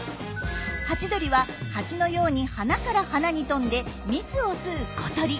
ハチドリはハチのように花から花に飛んで蜜を吸う小鳥。